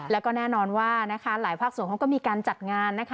แล้วก็แน่นอนว่านะคะหลายภาคส่วนเขาก็มีการจัดงานนะคะ